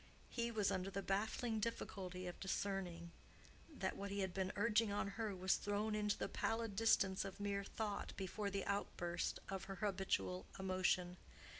He was under the baffling difficulty of discerning that what he had been urging on her was thrown into the pallid distance of mere thought before the outburst of her habitual emotion.